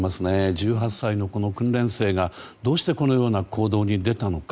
１８歳の訓練生がどうしてこのような行動に出たのか。